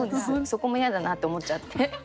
そこも嫌だなって思っちゃって。